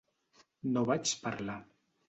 No vaig parlar.